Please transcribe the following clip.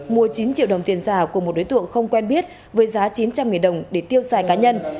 mua chín triệu đồng tiền giả của một đối tượng không quen biết với giá chín trăm linh đồng để tiêu xài cá nhân